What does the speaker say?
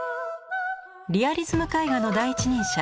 リアリズム絵画の第一人者